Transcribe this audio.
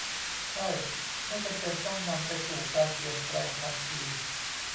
ใช่ ไม่จำเป็นต้องนำไปสู่การเปลี่ยนแปลงทันที